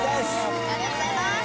ありがとうございます！